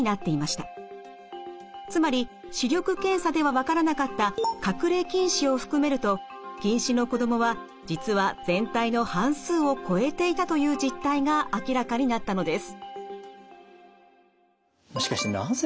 つまり視力検査では分からなかった隠れ近視を含めると近視の子どもは実は全体の半数を超えていたという実態が明らかになったのです。